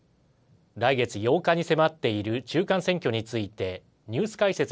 来月８日に迫っている中間選挙についてニュース解説